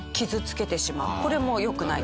これもよくないと。